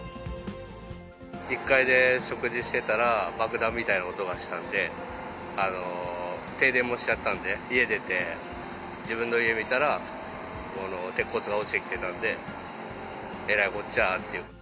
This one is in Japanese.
１階で食事してたら、爆弾みたいな音がしたんで、停電もしちゃったんで、家出て、自分の家見たら、鉄骨が落ちてきてたんで、えらいこっちゃっていう。